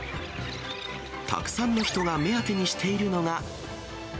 たくさんの人が目当てにしているのが。